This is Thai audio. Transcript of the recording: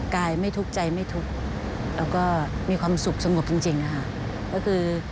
กายไม่ทุกข์ใจไม่ทุกข์